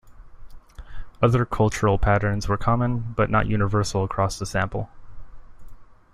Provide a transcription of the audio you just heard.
Other cultural patterns were common, but not universal across the sample.